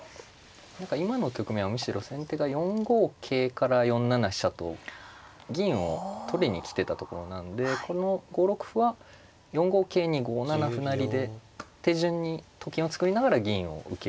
何か今の局面はむしろ先手が４五桂から４七飛車と銀を取りに来てたところなんでこの５六歩は４五桂に５七歩成で手順にと金を作りながら銀を受ける。